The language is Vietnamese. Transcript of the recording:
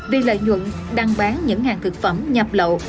vì lợi nhuận đăng bán những hàng thực phẩm nhập lậu